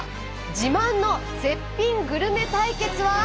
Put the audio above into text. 自慢の絶品グルメ対決は。